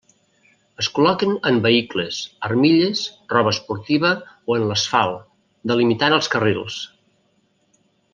Es col·loquen en vehicles, armilles, roba esportiva o en l'asfalt, delimitant els carrils.